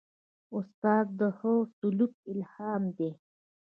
استاد د ښه سلوک الهام دی.